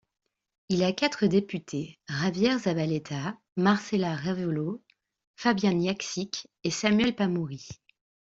Il a quatre députés: Javier Zavaleta, Marcela Revollo, Fabián Yaksic et Samuel Pamuri.